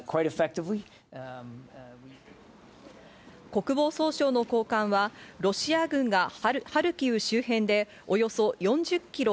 国防総省の高官はロシア軍がハルキウ周辺でおよそ４０キロ